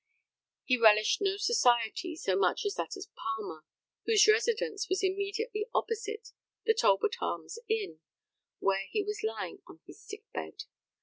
He relished no society so much as that of Palmer, whose residence was immediately opposite the Talbot Arms Inn, where he was lying on his sick bed.